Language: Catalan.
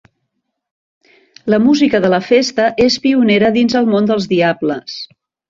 La música de la festa és pionera dins el món dels diables.